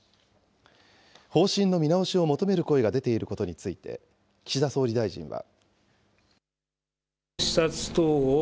方針の見直しを求める声が出ていることについて、岸田総理大臣は。